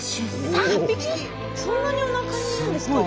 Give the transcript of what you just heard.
そんなにおなかにいるんですか？